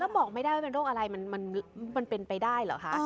บอกไม่ได้ว่าเป็นโรคอะไรมันเป็นไปได้เหรอคะ